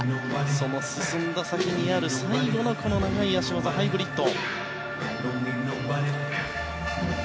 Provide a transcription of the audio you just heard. その進んだ先にある最後の長い脚技ハイブリッド。